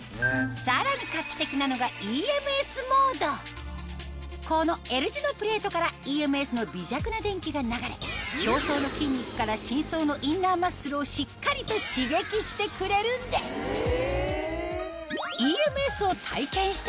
さらに画期的なのがＥＭＳモードこのＬ字のプレートからＥＭＳの微弱な電気が流れ表層の筋肉から深層のインナーマッスルをしっかりと刺激してくれるんですあっ。